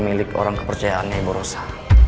milik orang kepercayaannya ibu rosa